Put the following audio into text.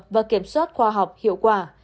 và kiểm soát khoa học hiệu quả